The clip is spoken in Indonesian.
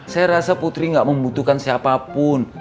saya rasa putri gak membutuhkan siapapun